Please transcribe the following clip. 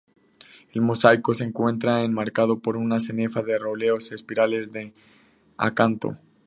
El mosaico se encuentra enmarcado por una cenefa de roleos espirales de acanto.